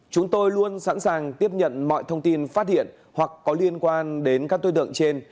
chúng tôi luôn sẵn sàng tiếp nhận mọi thông tin phát hiện hoặc có liên quan đến các đối tượng trên